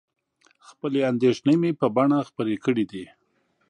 خپلې اندېښنې مې په بڼه خپرې کړي دي.